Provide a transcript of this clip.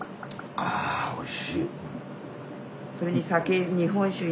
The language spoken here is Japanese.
おいしい。